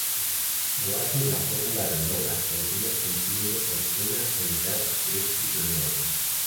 Lo hace en la Fórmula Renault Argentina, compitiendo con una unidad Crespi-Renault.